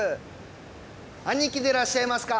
兄貴でらっしゃいますか？